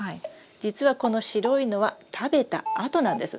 実はこの白いのは食べた跡なんです。